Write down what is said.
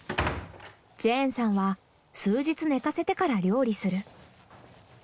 ジェーンさんは数日寝かせてから料理する。